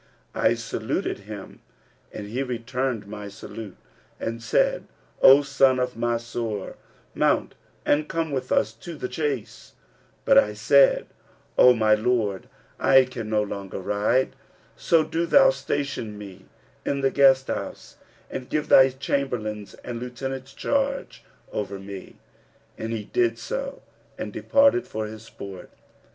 I saluted him and he returned my salute, and said, 'O son of Mansur, mount and come with us to the chase:' but I said, 'O my lord, I can no longer ride; so do thou station me in the guest house and give thy chamberlains and lieutenants charge over me.' And he did so and departed for his sport.